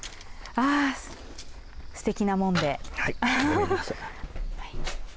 ああ、すてきなもんで。